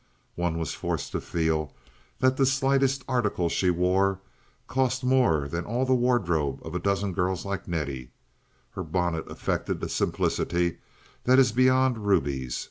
One was forced to feel that the slightest article she wore cost more than all the wardrobe of a dozen girls like Nettie; her bonnet affected the simplicity that is beyond rubies.